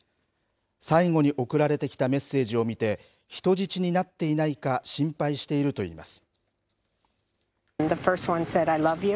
最後に送られてきたメッセージを見て、人質になっていないか、心配しているといいます。